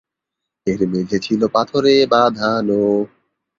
এর মেঝে ছিল পাথরে বাঁধানো।